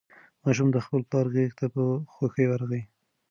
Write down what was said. ماشوم د خپل پلار غېږې ته په خوښۍ ورغی.